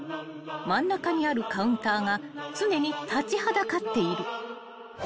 ［真ん中にあるカウンターが常に立ちはだかっている］